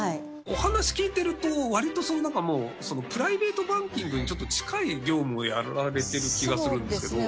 お話聞いてると割とそのなんかプライベートバンキングにちょっと近い業務をやられてる気がするんですけど。